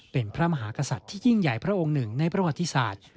เป็นพระมหากษัตริย์ที่ยิ่งใหญ่พระองค์หนึ่งในประวัติศาสตร์